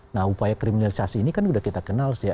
nah upaya kriminalisasi ini kan sudah kita kenal sih